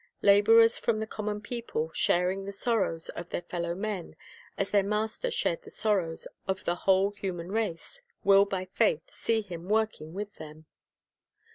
Laborers from the com mon people, sharing the sorrows oi' their fellow men as their Master shared the sorrows of the whole human race, will by faith see Him working with them.